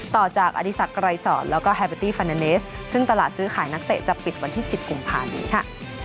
ต่อจากอดีศักดรายสอนแล้วก็แฮเบอร์ตี้ฟาเนสซึ่งตลาดซื้อขายนักเตะจะปิดวันที่๑๐กุมภานี้ค่ะ